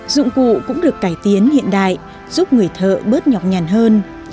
vụ cũng được cải tiến hiện đại giúp người thợ bớt nhọc nhàn hơn